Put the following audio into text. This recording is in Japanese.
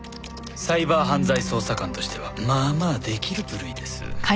サイバー犯罪捜査官としてはまあまあ出来る部類です。